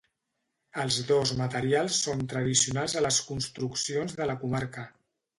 Els dos materials són tradicionals a les construccions de la comarca.